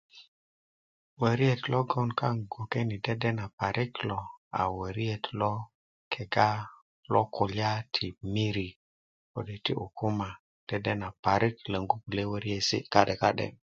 woriet logon kaŋ bgwoke ni lo dedena parik lo a woriet lo kega kulya ti miri kode ti ukuma logon dedena parik longu kulye woriesi ka'de ka'de